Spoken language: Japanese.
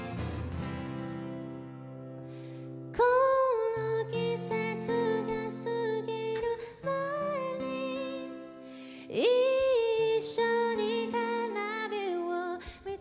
この季節が過ぎる前に一緒に花火を見たいです